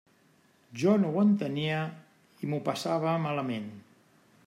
Jo no ho entenia i m'ho passava malament.